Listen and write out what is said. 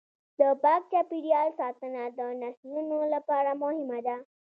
د پاک چاپیریال ساتنه د نسلونو لپاره مهمه ده.